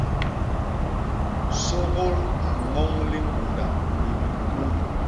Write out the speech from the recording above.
Sôgôl a ññoñ liñgunda ni bibubuñ.